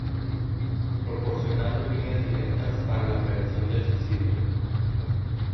Proporcionando líneas directas para la prevención del suicidio.